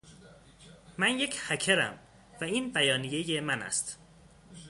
من یک هکرم، و این بیانیه من است.